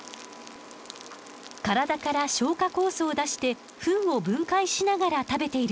体から消化酵素を出してフンを分解しながら食べている音よ。